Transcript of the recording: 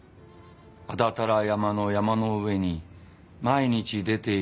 「阿多多羅山の山の上に毎日出てゐる